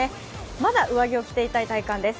まだ上着を着ていたい体感です。